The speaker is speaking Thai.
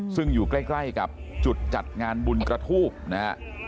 ซึ่งอยู่ใกล้กับจุดจัดงานบุญกระทูบนะฮะ